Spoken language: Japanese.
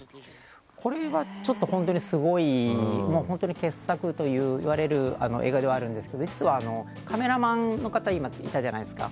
これは、ちょっと本当にすごい本当に傑作と言われる映画ではあるんですけど実はカメラマンの方が今、いたじゃないですか。